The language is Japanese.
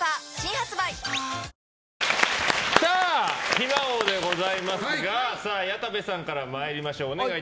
暇王でございますが谷田部さんから参りましょう。